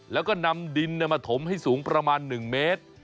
แล้วก็นำดินมาถมให้สูงประมาณ๑เมตร